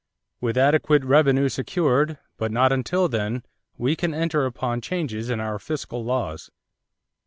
"With adequate revenue secured, but not until then, we can enter upon changes in our fiscal laws."